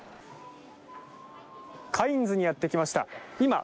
カインズにやってきました。